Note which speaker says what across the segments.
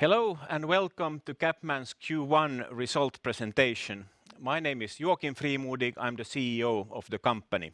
Speaker 1: Hello, and welcome to CapMan's Q1 result presentation. My name is Joakim Frimodig. I'm the CEO of the company.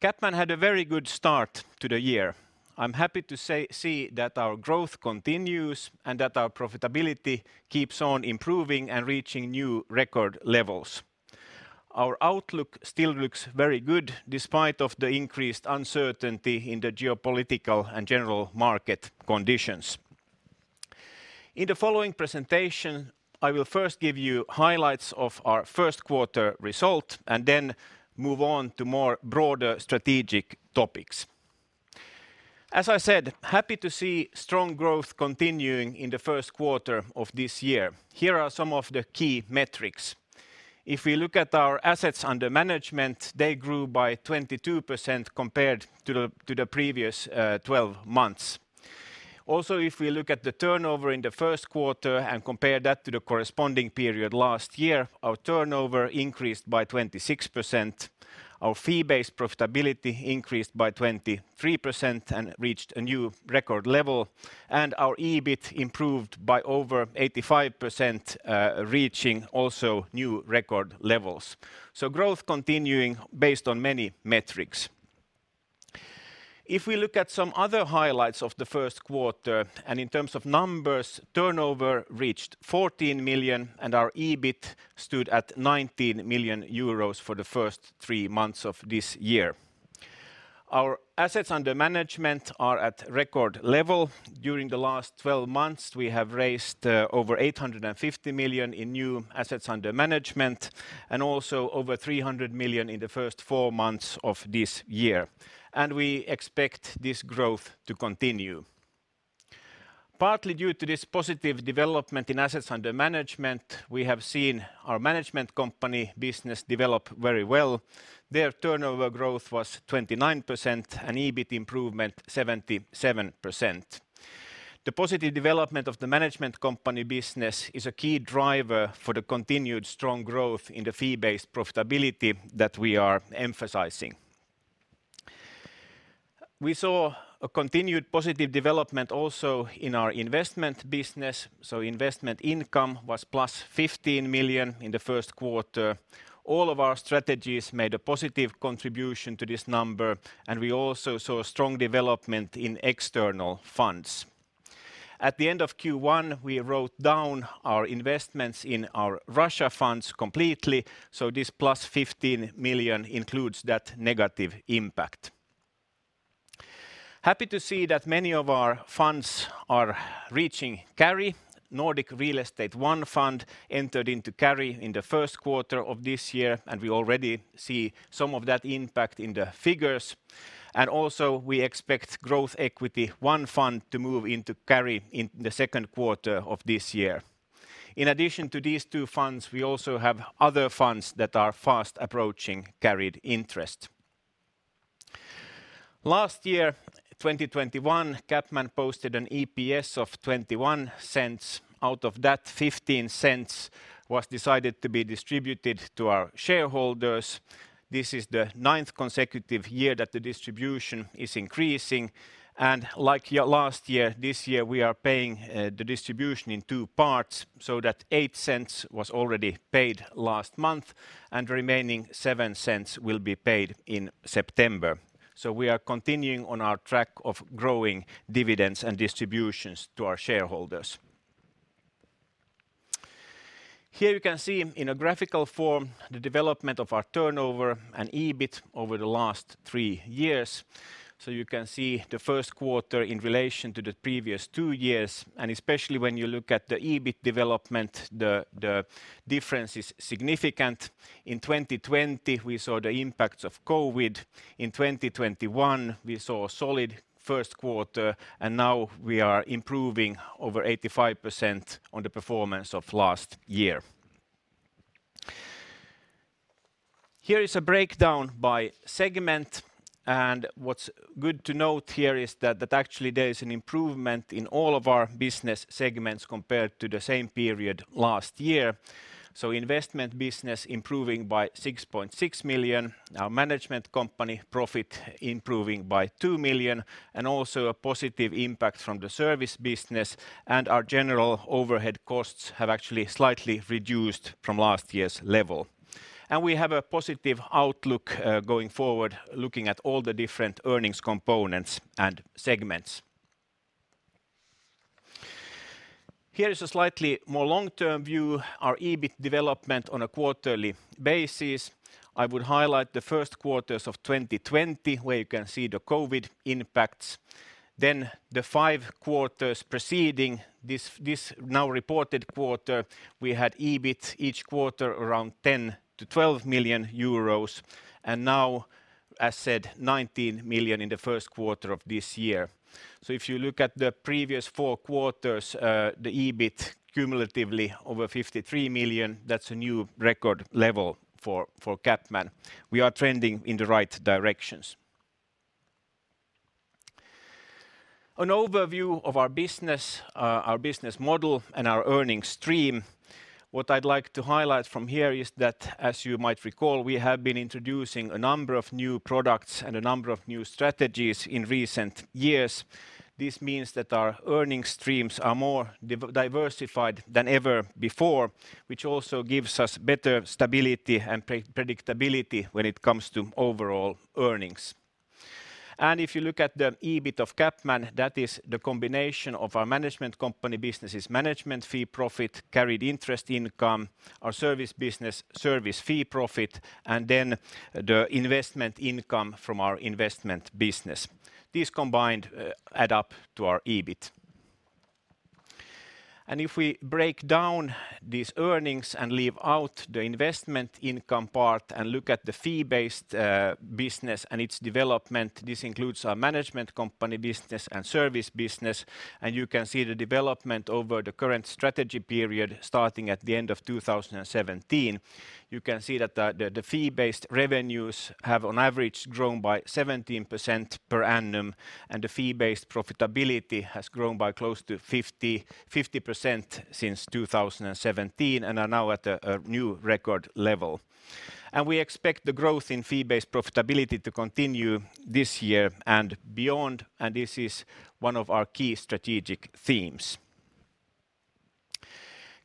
Speaker 1: CapMan had a very good start to the year. I'm happy to see that our growth continues and that our profitability keeps on improving and reaching new record levels. Our outlook still looks very good despite of the increased uncertainty in the geopolitical and general market conditions. In the following presentation, I will first give you highlights of our first quarter result and then move on to more broader strategic topics. As I said, happy to see strong growth continuing in the first quarter of this year. Here are some of the key metrics. If we look at our assets under management, they grew by 22% compared to the previous 12 months. Also, if we look at the turnover in the first quarter and compare that to the corresponding period last year, our turnover increased by 26%. Our fee-based profitability increased by 23% and reached a new record level. Our EBIT improved by over 85%, reaching also new record levels. Growth continuing based on many metrics. If we look at some other highlights of the first quarter and in terms of numbers, turnover reached 14 million, and our EBIT stood at 19 million euros for the first three months of this year. Our assets under management are at record level. During the last 12 months, we have raised over 850 million in new assets under management and also over 300 million in the first four months of this year. We expect this growth to continue. Partly due to this positive development in assets under management, we have seen our management company business develop very well. Their turnover growth was 29% and EBIT improvement 77%. The positive development of the management company business is a key driver for the continued strong growth in the fee-based profitability that we are emphasizing. We saw a continued positive development also in our investment business, so investment income was +15 million in the first quarter. All of our strategies made a positive contribution to this number, and we also saw strong development in external funds. At the end of Q1, we wrote down our investments in our Russia funds completely, so this +15 million includes that negative impact. Happy to see that many of our funds are reaching carry. Nordic Real Estate I fund entered into carry in the first quarter of this year, and we already see some of that impact in the figures. Also, we expect CapMan Growth Equity Fund 2017 to move into carry in the second quarter of this year. In addition to these two funds, we also have other funds that are fast approaching carried interest. Last year, 2021, CapMan posted an EPS of 0.21. Out of that, 0.15 was decided to be distributed to our shareholders. This is the ninth consecutive year that the distribution is increasing. Like last year, this year we are paying the distribution in two parts, so that 0.08 was already paid last month and remaining 0.07 will be paid in September. We are continuing on our track of growing dividends and distributions to our shareholders. Here you can see in a graphical form the development of our turnover and EBIT over the last three years. You can see the first quarter in relation to the previous two years, and especially when you look at the EBIT development, the difference is significant. In 2020, we saw the impacts of COVID. In 2021, we saw a solid first quarter, and now we are improving over 85% on the performance of last year. Here is a breakdown by segment, and what's good to note here is that actually there is an improvement in all of our business segments compared to the same period last year. Investment business improving by 6.6 million. Our management company profit improving by 2 million and also a positive impact from the service business and our general overhead costs have actually slightly reduced from last year's level. We have a positive outlook, going forward, looking at all the different earnings components and segments. Here is a slightly more long-term view, our EBIT development on a quarterly basis. I would highlight the first quarters of 2020, where you can see the COVID impacts. The five quarters preceding this now reported quarter, we had EBIT each quarter around 10 million-12 million euros. Now, as said, 19 million in the first quarter of this year. If you look at the previous four quarters, the EBIT cumulatively over 53 million, that's a new record level for CapMan. We are trending in the right directions. An overview of our business, our business model, and our earnings stream. What I'd like to highlight from here is that, as you might recall, we have been introducing a number of new products and a number of new strategies in recent years. This means that our earnings streams are more diversified than ever before, which also gives us better stability and predictability when it comes to overall earnings. If you look at the EBIT of CapMan, that is the combination of our management company business's management fee profit, carried interest income, our service business service fee profit, and then the investment income from our investment business. These combined add up to our EBIT. If we break down these earnings and leave out the investment income part and look at the fee-based business and its development, this includes our management company business and service business. You can see the development over the current strategy period starting at the end of 2017. You can see that the fee-based revenues have on average grown by 17% per annum, and the fee-based profitability has grown by close to 50% since 2017 and are now at a new record level. We expect the growth in fee-based profitability to continue this year and beyond, and this is one of our key strategic themes.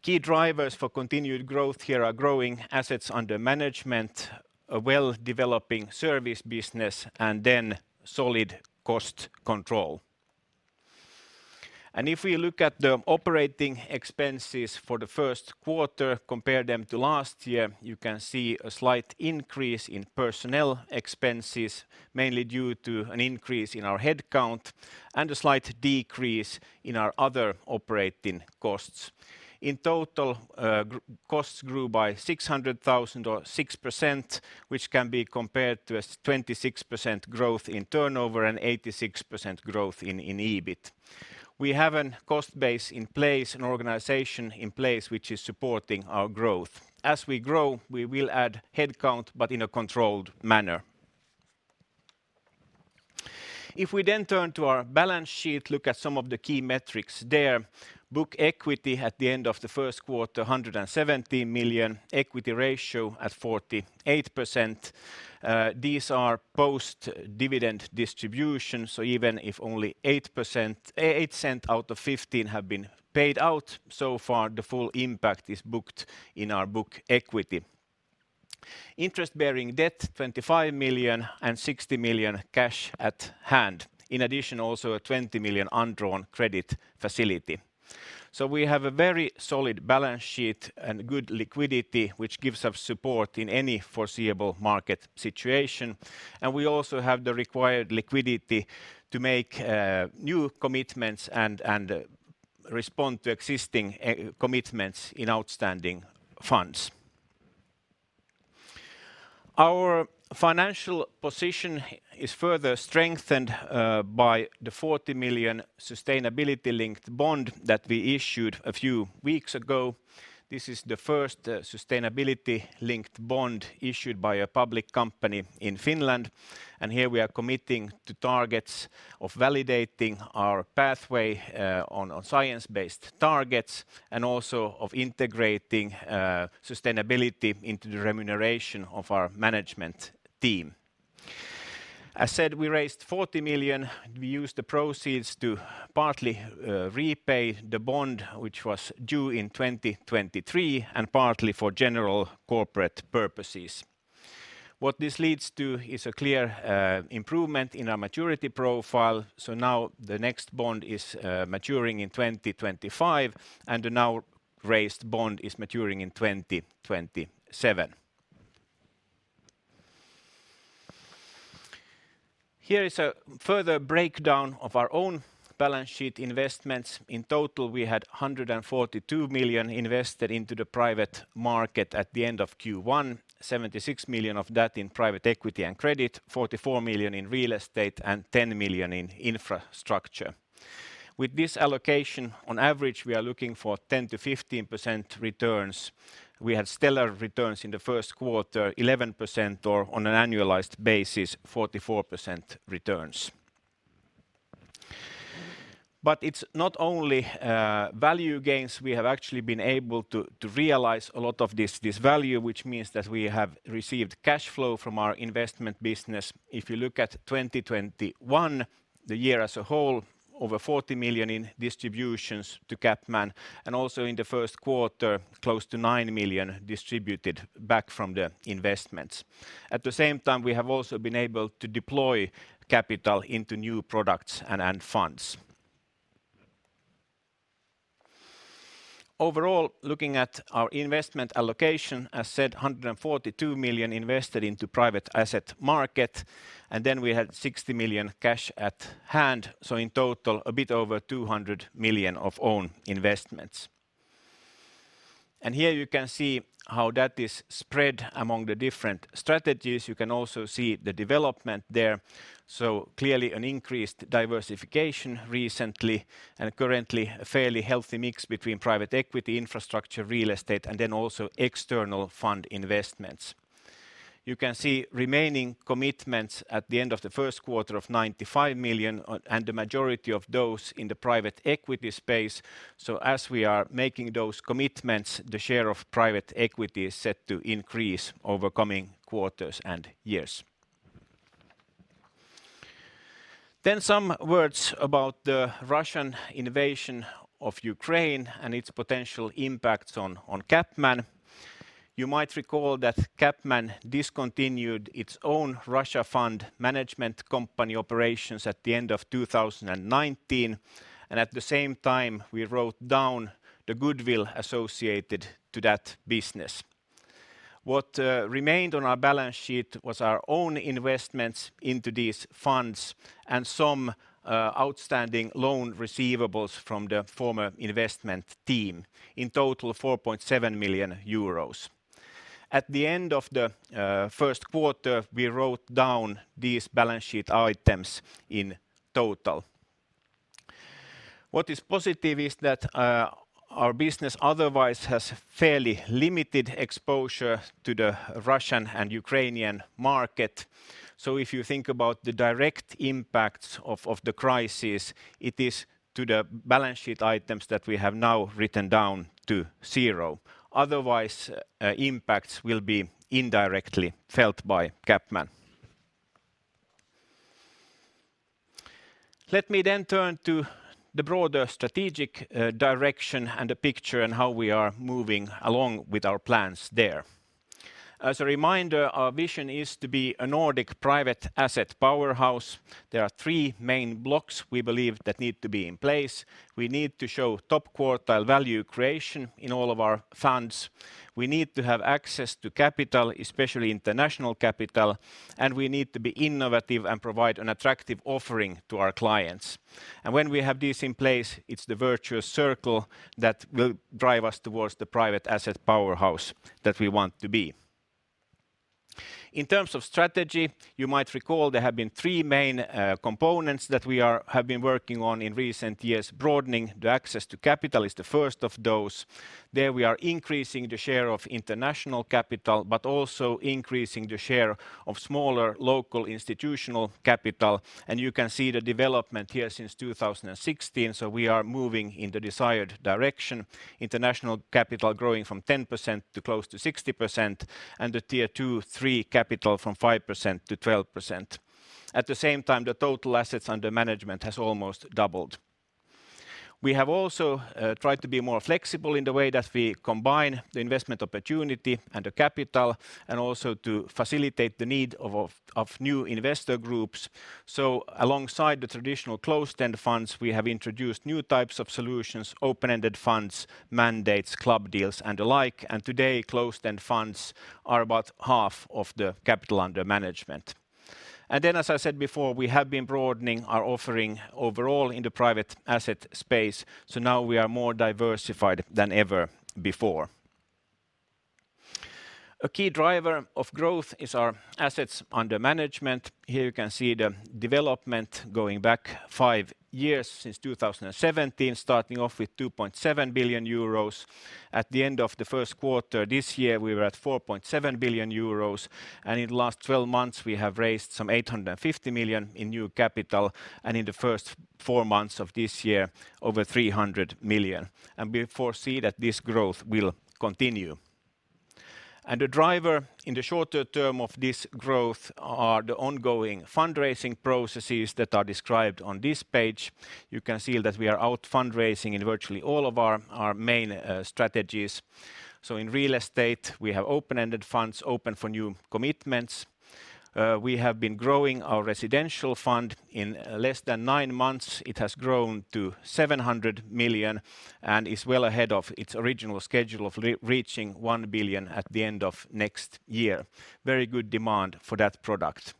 Speaker 1: Key drivers for continued growth here are growing assets under management, a well-developing service business, and then solid cost control. If we look at the operating expenses for the first quarter, compare them to last year, you can see a slight increase in personnel expenses, mainly due to an increase in our headcount and a slight decrease in our other operating costs. In total, G&A costs grew by 600,000 or 6%, which can be compared to a 26% growth in turnover and 86% growth in EBIT. We have a cost base in place and organization in place which is supporting our growth. As we grow, we will add headcount but in a controlled manner. If we then turn to our balance sheet, look at some of the key metrics there. Book equity at the end of the first quarter, 170 million. Equity ratio at 48%. These are post-dividend distributions, so even if only 8% out of 15% have been paid out so far. The full impact is booked in our book equity. Interest-bearing debt, 25 million, and 60 million cash at hand. In addition, also a 20 million undrawn credit facility. We have a very solid balance sheet and good liquidity, which gives us support in any foreseeable market situation. We also have the required liquidity to make new commitments and respond to existing commitments in outstanding funds. Our financial position is further strengthened by the 40 million sustainability-linked bond that we issued a few weeks ago. This is the first sustainability-linked bond issued by a public company in Finland, and here we are committing to targets of validating our pathway on science-based targets and also of integrating sustainability into the remuneration of our management team. As said, we raised 40 million. We used the proceeds to partly repay the bond which was due in 2023 and partly for general corporate purposes. What this leads to is a clear improvement in our maturity profile, so now the next bond is maturing in 2025, and the now raised bond is maturing in 2027. Here is a further breakdown of our own balance sheet investments. In total, we had 142 million invested into the private market at the end of Q1. 76 million of that in private equity and credit, 44 million in real estate, and 10 million in infrastructure. With this allocation, on average, we are looking for 10%-15% returns. We had stellar returns in the first quarter, 11% or on an annualized basis, 44% returns. It's not only value gains we have actually been able to realize a lot of this value, which means that we have received cash flow from our investment business. If you look at 2021, the year as a whole, over 40 million in distributions to CapMan and also in the first quarter, close to 9 million distributed back from the investments. At the same time, we have also been able to deploy capital into new products and funds. Overall, looking at our investment allocation, as said, 142 million invested into private asset market, and then we had 60 million cash at hand. In total, a bit over 200 million of own investments. Here you can see how that is spread among the different strategies. You can also see the development there. Clearly an increased diversification recently and currently a fairly healthy mix between private equity, infrastructure, real estate, and then also external fund investments. You can see remaining commitments at the end of the first quarter of 95 million, and the majority of those in the private equity space. As we are making those commitments, the share of private equity is set to increase over coming quarters and years. Some words about the Russian invasion of Ukraine and its potential impacts on CapMan. You might recall that CapMan discontinued its own Russia fund management company operations at the end of 2019, and at the same time, we wrote down the goodwill associated to that business. What remained on our balance sheet was our own investments into these funds and some outstanding loan receivables from the former investment team, in total 4.7 million euros. At the end of the first quarter, we wrote down these balance sheet items in total. What is positive is that our business otherwise has fairly limited exposure to the Russian and Ukrainian market. If you think about the direct impacts of the crisis, it is to the balance sheet items that we have now written down to zero. Otherwise, impacts will be indirectly felt by CapMan. Let me turn to the broader strategic direction and the picture and how we are moving along with our plans there. As a reminder, our vision is to be a Nordic private asset powerhouse. There are three main blocks we believe that need to be in place. We need to show top quartile value creation in all of our funds. We need to have access to capital, especially international capital, and we need to be innovative and provide an attractive offering to our clients. When we have this in place, it's the virtuous circle that will drive us towards the private asset powerhouse that we want to be. In terms of strategy, you might recall there have been three main components that we have been working on in recent years. Broadening the access to capital is the first of those. There we are increasing the share of international capital, but also increasing the share of smaller local institutional capital. You can see the development here since 2016, so we are moving in the desired direction. International capital growing from 10% to close to 60%, and the tier two, three capital from 5% to 12%. At the same time, the total assets under management has almost doubled. We have also tried to be more flexible in the way that we combine the investment opportunity and the capital, and also to facilitate the need of new investor groups. Alongside the traditional closed-end funds, we have introduced new types of solutions, open-ended funds, mandates, club deals, and the like. Today, closed-end funds are about half of the capital under management. As I said before, we have been broadening our offering overall in the private asset space, so now we are more diversified than ever before. A key driver of growth is our assets under management. Here you can see the development going back five years since 2017, starting off with 2.7 billion euros. At the end of the first quarter this year, we were at 4.7 billion euros, and in the last 12 months, we have raised some 850 million in new capital, and in the first four months of this year, over 300 million. We foresee that this growth will continue. The driver in the shorter term of this growth are the ongoing fundraising processes that are described on this page. You can see that we are out fundraising in virtually all of our main strategies. In real estate, we have open-ended funds open for new commitments. We have been growing our residential fund. In less than nine months, it has grown to 700 million and is well ahead of its original schedule of re-reaching 1 billion at the end of next year. Very good demand for that product.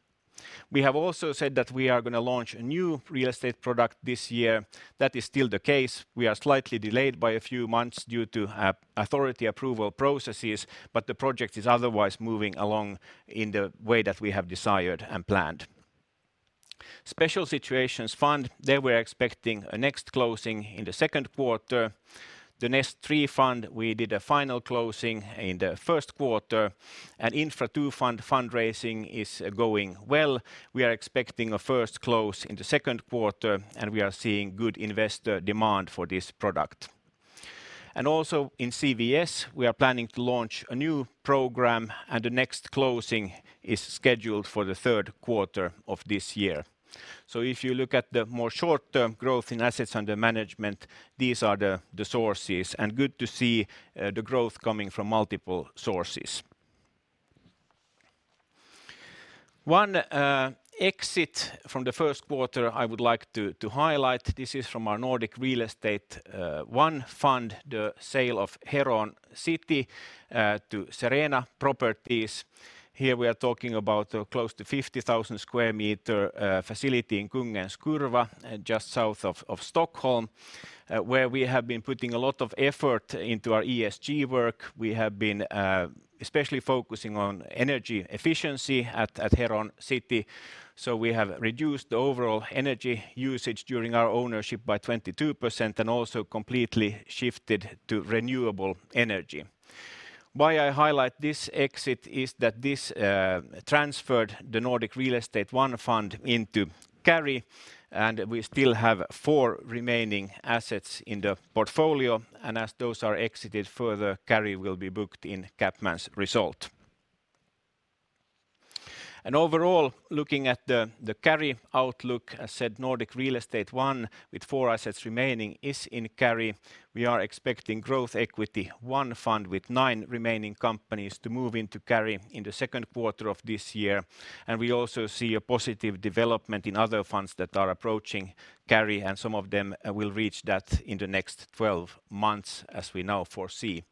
Speaker 1: We have also said that we are gonna launch a new real estate product this year. That is still the case. We are slightly delayed by a few months due to authority approval processes, but the project is otherwise moving along in the way that we have desired and planned. Special Situations Fund, there we're expecting a next closing in the second quarter. The Nest Capital III fund, we did a final closing in the first quarter. Infra II fund fundraising is going well. We are expecting a first close in the second quarter, and we are seeing good investor demand for this product. Also in CaPS, we are planning to launch a new program, and the next closing is scheduled for the third quarter of this year. If you look at the more short-term growth in assets under management, these are the sources, and good to see the growth coming from multiple sources. One exit from the first quarter I would like to highlight. This is from our CapMan Nordic Real Estate I fund, the sale of Heron City to Serena Properties. Here we are talking about a close to 50,000 sq m facility in Kungens Kurva just south of Stockholm, where we have been putting a lot of effort into our ESG work. We have been especially focusing on energy efficiency at Heron City. We have reduced the overall energy usage during our ownership by 22% and also completely shifted to renewable energy. Why I highlight this exit is that this transferred the Nordic Real Estate I fund into carry, and we still have four remaining assets in the portfolio. As those are exited further, carry will be booked in CapMan's result. Overall, looking at the carry outlook, as said, Nordic Real Estate I with four assets remaining is in carry. We are expecting Growth Equity I fund with nine remaining companies to move into carry in the second quarter of this year. We also see a positive development in other funds that are approaching carry, and some of them will reach that in the next 12 months as we now foresee.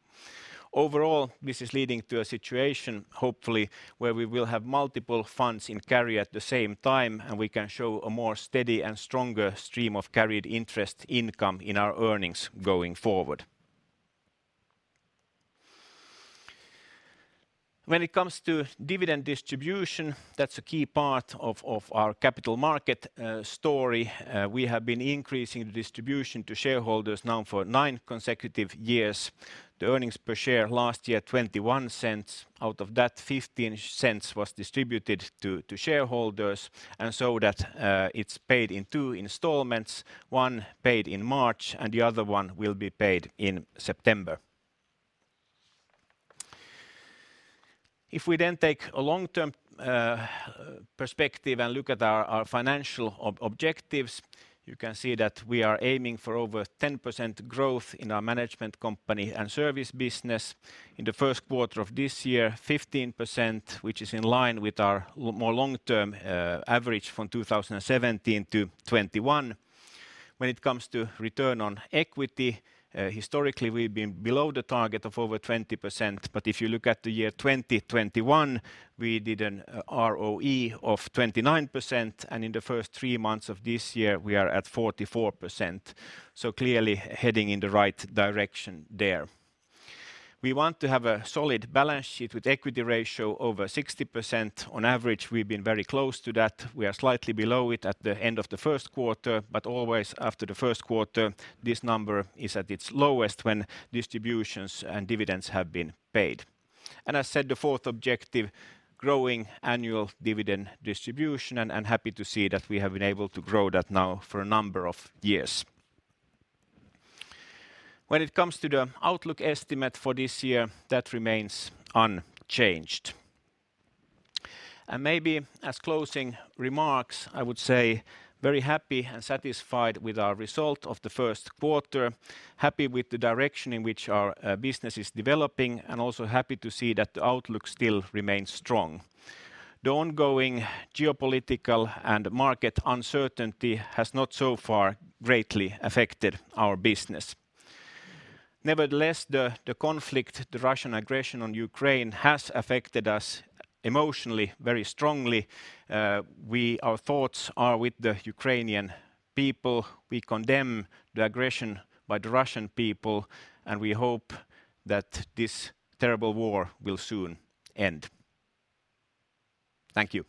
Speaker 1: Overall, this is leading to a situation, hopefully, where we will have multiple funds in carry at the same time, and we can show a more steady and stronger stream of carried interest income in our earnings going forward. When it comes to dividend distribution, that's a key part of our capital market story. We have been increasing the distribution to shareholders now for nine consecutive years. The earnings per share last year, 0.21. Out of that, 0.15 was distributed to shareholders, and so that it's paid in two installments, one paid in March and the other one will be paid in September. If we then take a long-term perspective and look at our financial objectives, you can see that we are aiming for over 10% growth in our management company and service business. In the first quarter of this year, 15%, which is in line with our long-term average from 2017 to 2021. When it comes to return on equity, historically, we've been below the target of over 20%. If you look at the year 2021, we did an ROE of 29%, and in the first three months of this year, we are at 44%, so clearly heading in the right direction there. We want to have a solid balance sheet with equity ratio over 60% on average. We've been very close to that. We are slightly below it at the end of the first quarter, but always after the first quarter, this number is at its lowest when distributions and dividends have been paid. As said, the fourth objective, growing annual dividend distribution, and I'm happy to see that we have been able to grow that now for a number of years. When it comes to the outlook estimate for this year, that remains unchanged. Maybe as closing remarks, I would say very happy and satisfied with our result of the first quarter, happy with the direction in which our business is developing, and also happy to see that the outlook still remains strong. The ongoing geopolitical and market uncertainty has not so far greatly affected our business. Nevertheless, the conflict, the Russian aggression on Ukraine has affected us emotionally very strongly. Our thoughts are with the Ukrainian people. We condemn the aggression by the Russian people, and we hope that this terrible war will soon end. Thank you.